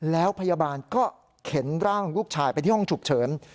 แล้วพยาบาลก็เข็นร่างลูกชายไปที่ห้องฉุกเฉิน